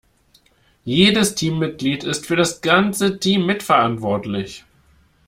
Jedes Teammitglied ist für das ganze Team mitverantwortlich.